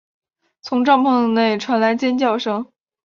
从帐篷内传来尖叫声